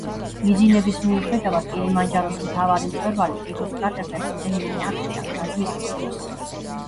მიძინების მიუხედავად, კილიმანჯაროს მთავარი მწვერვალი კიბოს კრატერზე რამდენიმე არხიდან გაზი ამოდის.